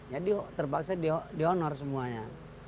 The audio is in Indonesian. jadi terpaksa di honor semuanya